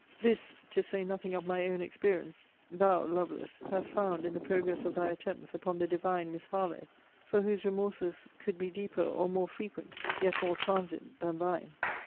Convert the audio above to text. This, (to say nothing of my own experience,) thou, Lovelace, hast found in the progress of thy attempts upon the divine Miss Harlowe. For whose remorses could be deeper, or more frequent, yet more transient than thine!